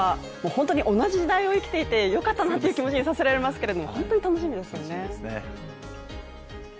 本当に同じ時代を生きていてよかったなという気持ちにさせられますけど、本当に楽しみですよね。